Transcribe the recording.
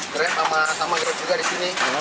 keren sama grup juga di sini